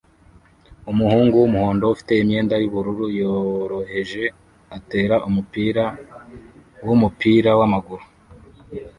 Umuhungu wumuhondo ufite imyenda yubururu yoroheje atera umupira wumupira wamaguru